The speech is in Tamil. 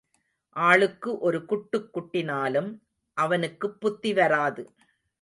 ஆளுக்கு ஒரு குட்டுக் குட்டினாலும் அவனுக்குப் புத்தி வராது.